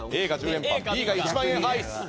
パンＢが１万円アイス。